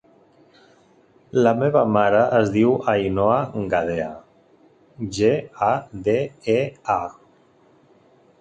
La meva mare es diu Ainhoa Gadea: ge, a, de, e, a.